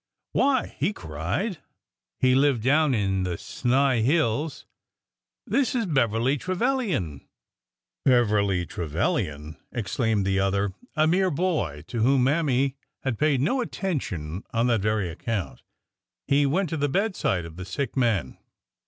'' Why! " he cried,— he lived down in the Snai hills, — ''this is Beverly Trevilian!" " Beverly Trevilian! " exclaimed the other, a mere boy to whom Mammy had paid no attention on that very ac count. He went to the bedside of the sick man.